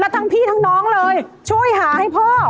ทั้งพี่ทั้งน้องเลยช่วยหาให้พ่อ